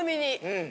うん。